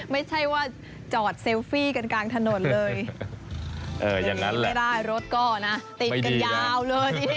ไม่ใช่ว่าจอดเซลฟี่กันกลางถนนเลย